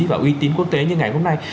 và uy tín quốc tế như ngày hôm nay